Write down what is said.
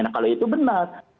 nah kalau itu benar